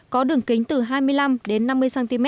có đường kính từ hai mươi năm đến năm mươi cm